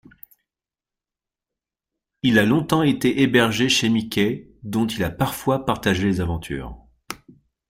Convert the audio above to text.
Il a longtemps été hébergé chez Mickey dont il a parfois partagé les aventures.